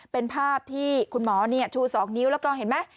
เป็นภาพที่คุณหมอชู๒นิ้วแล้วก็เห็นไหม